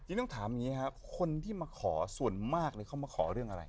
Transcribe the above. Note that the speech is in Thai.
ต้องถามอย่างนี้ครับคนที่มาขอส่วนมากเลยเขามาขอเรื่องอะไร